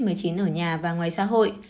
mới chín ở nhà và ngoài xã hội